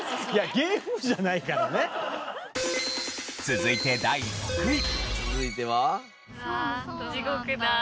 続いて第６位。